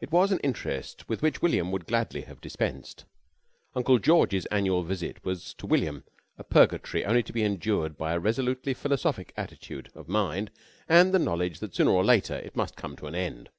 It was an interest with which William would gladly have dispensed. Uncle George's annual visit was to William a purgatory only to be endured by a resolutely philosophic attitude of mind and the knowledge that sooner or later it must come to an end.